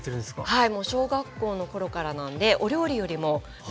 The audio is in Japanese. はい。